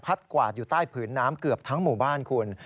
กวาดอยู่ใต้ผืนน้ำเกือบทั้งหมู่บ้านคุณ